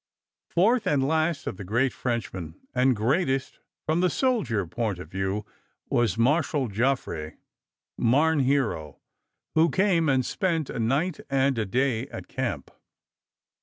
Fourth, and last, of the great Frenchmen, and greatest, from the soldier point of view, was Marshal Joffre, Marne hero, who came and spent a night and a day at camp.